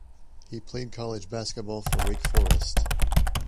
He played college basketball for Wake Forest.